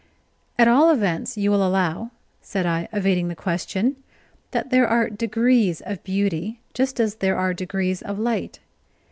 "At all events, you will allow," said I, evading the question, "that there are degrees of beauty, just as there are degrees of light.